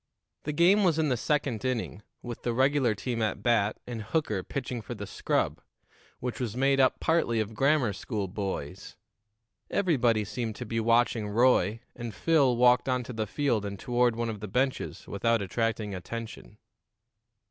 The game was in the second inning, with the regular team at bat and Hooker pitching for the scrub, which was made up partly of grammar school boys. Everybody seemed to be watching Roy, and Phil walked on to the field and toward one of the benches without attracting attention.